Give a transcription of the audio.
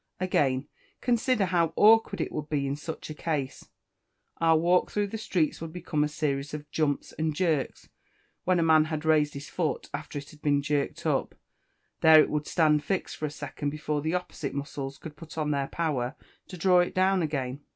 Again, consider how awkward it would be in such a case; our walk through the streets would become a series of jumps and jerks; when a man had raised his foot, after it had been jerked up, there it would stand fixed for a second before the opposite muscles could put on their power to draw it down again.